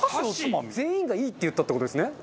全員がいいって言ったって事ですね？